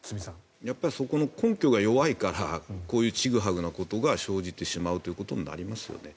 そこの根拠が弱いからこういうちぐはぐなことが生じてしまうということになりますよね。